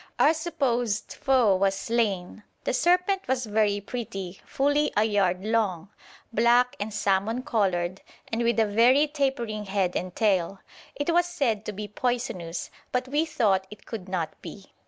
Our supposed foe was slain. The serpent was very pretty, fully a yard long, black and salmon coloured, and with a very tapering head and tail. It was said to be poisonous, but we thought it could not be.